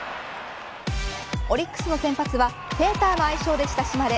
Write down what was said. オリックスの先発はペーターの愛称で親しまれ